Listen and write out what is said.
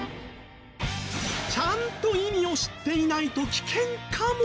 ちゃんと意味を知っていないと危険かも。